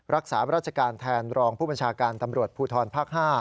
รักษาราชการแทนรองผู้บัญชาการตำรวจภูทรภาค๕